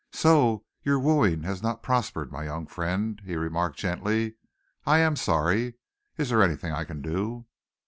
"So your wooing has not prospered, my young friend," he remarked gently. "I am sorry. Is there anything I can do?"